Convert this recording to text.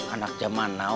anak zaman tau